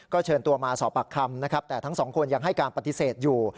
ก็เชิญตัวมาสอบปักคำแต่ทั้ง๒คนยังให้การปฏิเสธอยู่